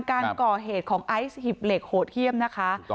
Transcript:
การก่อเหตุของไอซ์หิบเหล็กโหดเยี่ยมนะคะ